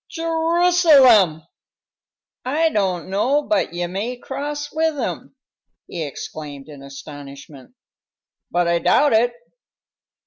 "Je ru salem! I don't know but ye may cross with 'em!" he exclaimed, in astonishment. "But I doubt it.